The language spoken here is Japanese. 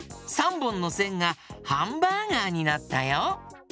３ぼんのせんがハンバーガーになったよ。